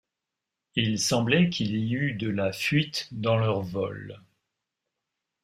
Il semblait qu’il y eût de la fuite dans leur vol.